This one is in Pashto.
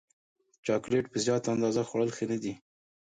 چاکلېټ په زیاته اندازه خوړل ښه نه دي.